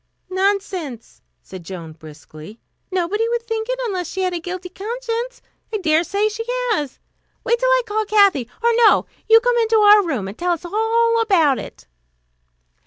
"Nonsense," said Joan, briskly. "Nobody would think it, unless she had a guilty conscience. I dare say she has. Wait till I call Kathy or no, you come into our room, and tell us all about it."